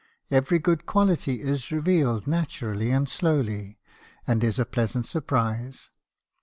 Every good quality is revealed naturally and slowly, and is a pleasant surprise.